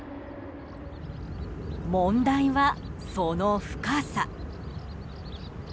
問題は、その深さ。